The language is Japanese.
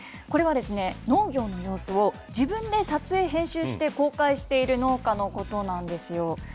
これは、農業の様子を自分で撮影、編集して公開している農家のことなんですよ。